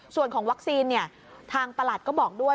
ส่วนของวัคซีนทางประหลัดก็บอกด้วย